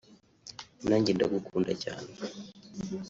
nanjye ndagukunda cyane